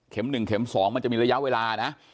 ๑เข็ม๒มันจะมีระยะเวลานะ